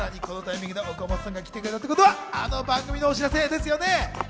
このタイミングで岡本さん来てくれたってことは、あの番組のお知らせですよね。